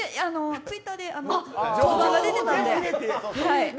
ツイッターで情報が出てたので。